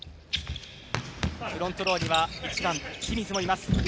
フロントローには１番、清水もいます。